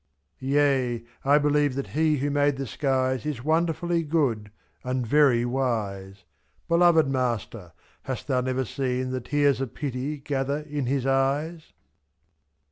Yea! I believe that He who made the skies Is wonderfully good, and very wise, — lot. Beloved Master! Hast thou never seen The tears of pity gather in His eyes